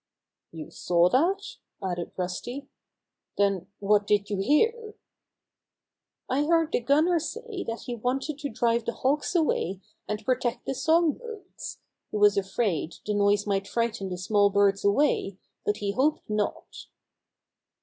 "You saw that?" added Rusty. "Then what did you hear?" "I heard the gunner say that he wanted to drive the Hawks away and protect the song 118 Bobby Gray Squirrel's Adventures birds. He was afraid the noise might frighten the small birds away, but he hoped not."